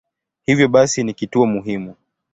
Hivyo basi ni kituo muhimu.